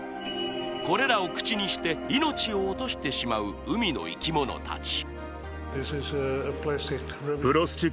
これらを口にして命を落としてしまう海の生きものたち